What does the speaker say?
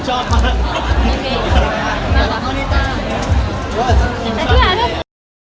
สวัสดีค่ะ